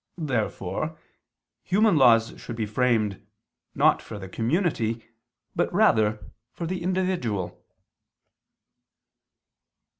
Therefore human laws should be framed, not for the community, but rather for the individual.